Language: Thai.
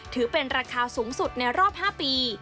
ถือเป็นราคาสูงสุดในรอบ๕ปี